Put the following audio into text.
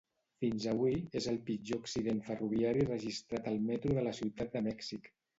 Fins avui, és el pitjor accident ferroviari registrat al Metro de la Ciutat de Mèxic.